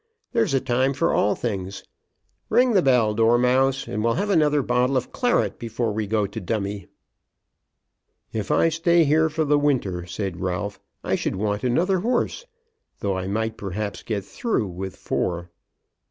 There's a time for all things. Ring the bell, Dormouse, and we'll have another bottle of claret before we go to dummy." "If I stay here for the winter," said Ralph, "I should want another horse. Though I might, perhaps, get through with four."